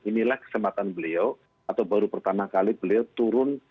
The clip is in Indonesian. inilah kesempatan beliau atau baru pertama kali beliau turun